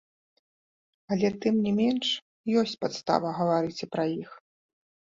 Але, тым не менш, ёсць падстава гаварыць і пра іх.